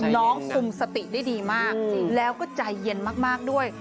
คุมสติได้ดีมากแล้วก็ใจเย็นมากด้วย